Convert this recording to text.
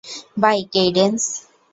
By, cadence.